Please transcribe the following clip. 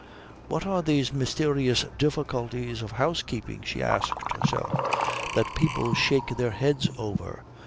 What are these mysterious difficulties of housekeeping, she asked herself, that people shake their heads over?